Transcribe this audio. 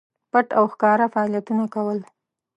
پټ او ښکاره فعالیتونه کول.